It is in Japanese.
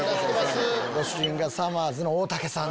ご主人が「さまぁず」の大竹さん。